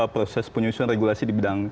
proses penyusunan regulasi di bidang